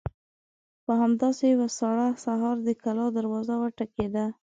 په همداسې يوه ساړه سهار د کلا دروازه وټکېده.